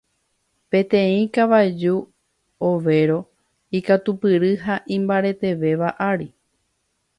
Peteĩ kavaju ovéro ikatupyry ha imbaretéva ári.